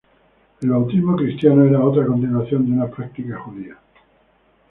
El bautismo cristiano era otra continuación de una práctica judía.